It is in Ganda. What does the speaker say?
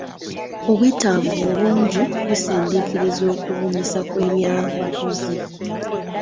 Obwetaavu obungi busindiikiriza okubunyisa kw'ebyamaguzi.